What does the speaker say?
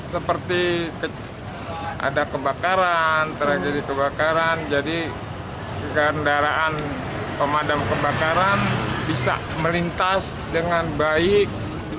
seperti ada kebakaran tragedi kebakaran jadi kendaraan pemadam kebakaran bisa melintas dengan baik